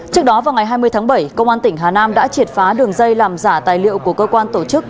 trước đó vào ngày hai mươi tháng bảy công an tỉnh hà nam đã triệt phá đường dây làm giả tài liệu của cơ quan tổ chức